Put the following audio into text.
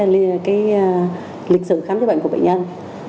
lịch sử khám chữa bệnh của bệnh nhân